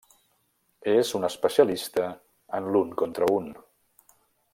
És un especialista en l'un contra un.